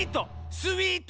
スイート！